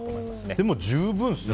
でも、十分ですね。